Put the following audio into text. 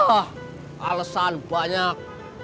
ah alesan banyak